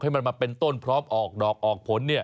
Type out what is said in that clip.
ให้มันมาเป็นต้นพร้อมออกดอกออกผล